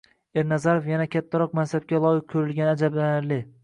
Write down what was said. Ernazarov yanada kattaroq mansabga loyiq ko`rilgani ajablanarli